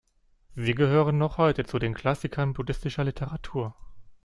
Sie gehören noch heute zu den Klassikern buddhistischer Literatur.